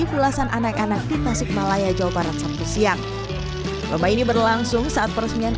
belasan anak anak di tasik malaya jawa barat sabtu siang lomba ini berlangsung saat peresmian